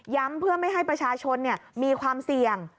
เพื่อไม่ให้ประชาชนมีความเสี่ยง